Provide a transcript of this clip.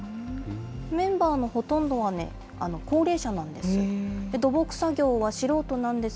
メンバーのほとんどは高齢者なんです。